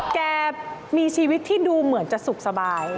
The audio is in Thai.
แกมีชีวิตที่ดูเหมือนจะสุขสบาย